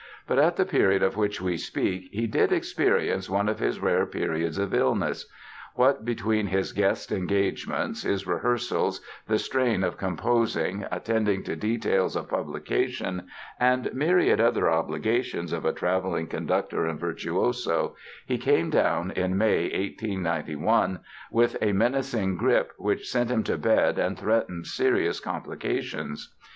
But at the period of which we speak he did experience one of his rare periods of illness. What between his guest engagements, his rehearsals, the strain of composing, attending to details of publication and myriad other obligations of a traveling conductor and virtuoso, he came down in May, 1891, with a menacing grippe which sent him to bed and threatened serious complications.